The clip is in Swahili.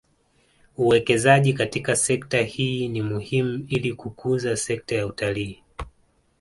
Uwekezaji katika sekta hii ni muhimu ili kukuza sekta ya utalii